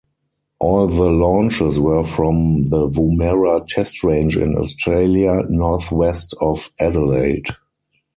All the launches were from the Woomera Test Range in Australia, north-west of Adelaide.